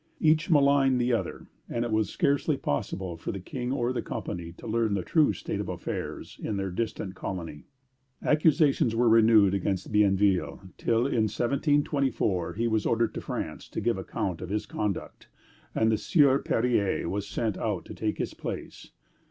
Each maligned the other, and it was scarcely possible for the King or the Company to learn the true state of affairs in their distant colony. Accusations were renewed against Bienville, till in 1724 he was ordered to France to give account of his conduct, and the Sieur Perier was sent out to take his place.